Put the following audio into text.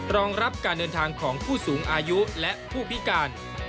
รองรับการเดินทางของผู้สูงอายุและผู้พิการ